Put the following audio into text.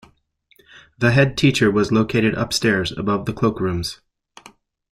The head teacher was located upstairs above the cloakrooms.